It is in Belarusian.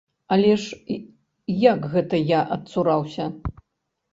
Але ж як гэта я адцураўся?